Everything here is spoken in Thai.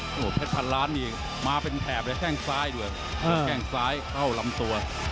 แทนพันล้านนี่มาเป็นแถบแก้งซ้ายด้วยแก้งซ้ายเข้ารำตัว